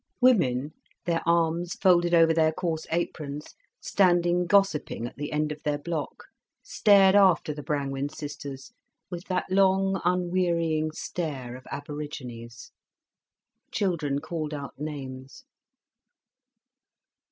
Women, their arms folded over their coarse aprons, standing gossiping at the end of their block, stared after the Brangwen sisters with that long, unwearying stare of aborigines; children called out names.